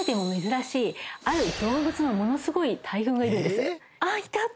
ある動物のものすごい大群がいるんです。